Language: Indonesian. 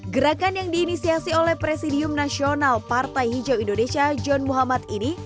gerakan yang diinisiasi oleh presidium nasional partai hijau indonesia john muhammad ini